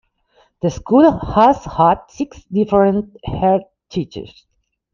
The school has had six different headteachers.